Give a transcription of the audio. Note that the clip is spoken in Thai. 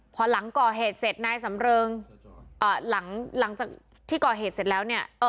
พอหลังก่อเหตุเสร็จนายสำเริงหลังจากที่ก่อเหตุเสร็จแล้วเนี่ย